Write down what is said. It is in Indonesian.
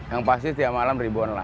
yang pasti setiap malam ribuan lah